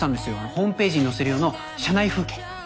ホームページに載せる用の社内風景。